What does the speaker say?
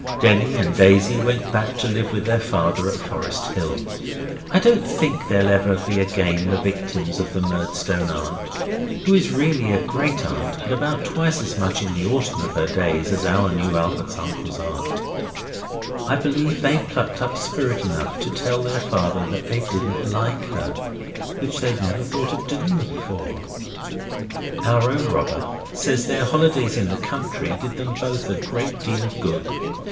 Denny and Daisy went back to live with their father at Forest Hill. I don't think they'll ever be again the victims of the Murdstone aunt who is really a great aunt and about twice as much in the autumn of her days as our new Albert's uncle aunt. I think they plucked up spirit enough to tell their father they didn't like her which they'd never thought of doing before. Our own robber says their holidays in the country did them both a great deal of good.